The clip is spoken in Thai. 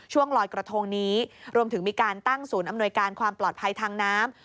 ลอยกระทงนี้รวมถึงมีการตั้งศูนย์อำนวยการความปลอดภัยทางน้ำ